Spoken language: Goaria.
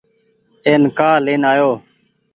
اين ڪآ لين آيو۔